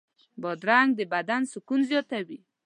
بادرنګ د بدن سکون زیاتوي.